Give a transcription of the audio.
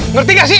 ngerti gak sih